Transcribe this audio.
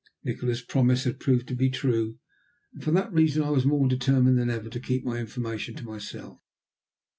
Nikola's promise had proved to be true, and for that reason I was more determined than ever to keep my information to myself.